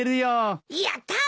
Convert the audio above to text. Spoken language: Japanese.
やったー！